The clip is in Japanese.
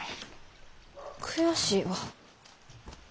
悔しいわ。